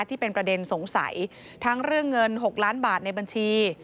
ที่เป็นประเด็นสงสัยทั้งเรื่องเงิน๖ล้านบาทในบัญชี